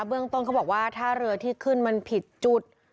เรื่องต้นเขาบอกว่าถ้าเรือที่ขึ้นมันผิดจุด